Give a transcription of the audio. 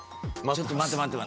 ちょっと待って待って。